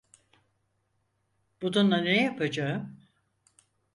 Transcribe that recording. Bununla ne yapacağım?